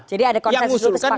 jadi ada konsep kesepakatan ya